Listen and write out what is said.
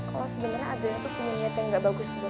karena adriana tuh punya niat yang enggak bagus juga